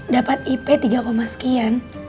dapat ip tiga sekian